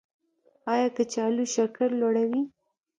ایا کچالو شکر لوړوي؟